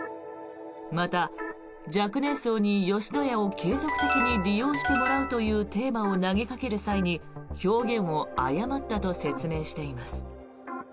また、若年層に吉野家を継続的に利用してもらうというテーマを投げかける際に表現を誤ったと説明しています。